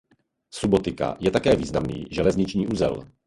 Subotica je také významný železniční uzel.